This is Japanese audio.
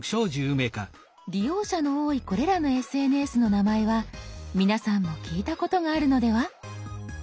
利用者の多いこれらのＳＮＳの名前は皆さんも聞いたことがあるのでは？